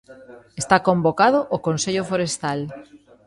Está convocado o Consello Forestal.